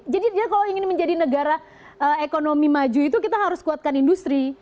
jadi kalau ingin menjadi negara ekonomi maju itu kita harus kuatkan industri